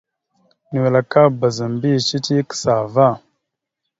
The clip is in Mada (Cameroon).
Nʉwel aka bazə mbiyez cici ya kəsa ava.